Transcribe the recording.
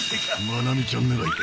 マナミちゃん狙いか？